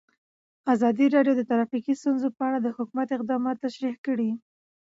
ازادي راډیو د ټرافیکي ستونزې په اړه د حکومت اقدامات تشریح کړي.